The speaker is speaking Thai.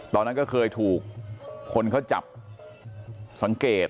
ตอนนั้นก็เคยถูกคนเขาจับสังเกต